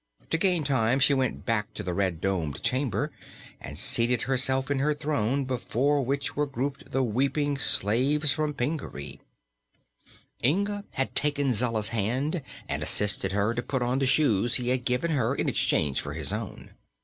To gain time, she went back to the red domed chamber and seated herself in her throne, before which were grouped the weeping slaves from Pingaree. Inga had taken Zella's hand and assisted her to put on the shoes he had given her in exchange for his own.